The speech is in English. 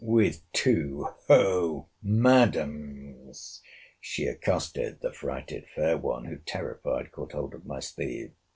With two Hoh Madams she accosted the frighted fair one; who, terrified, caught hold of my sleeve.